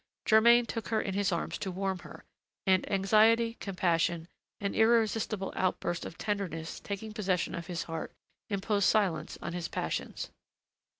Germain took her in his arms to warm her; and anxiety, compassion, an irresistible outburst of tenderness taking possession of his heart, imposed silence on his passions.